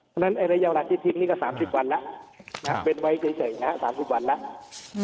เพราะฉะนั้นระยะเวลาที่ทิ้งนี่ก็๓๐วันแล้วเป็นไว้เฉยนะฮะ๓๐วันแล้ว